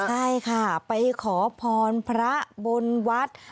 ใช่ค่ะไปขอพรพระบนวัด